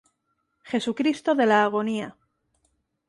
Jesucristo de la Agonía.